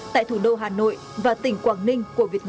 tại thủ đô hà nội và tỉnh quảng ninh